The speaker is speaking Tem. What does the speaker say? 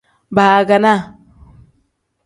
Baaganaa.